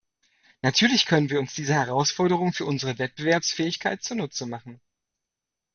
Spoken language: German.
Natürlich können wir uns diese Herausforderung für unsere Wettbewerbsfähigkeit zunutze machen.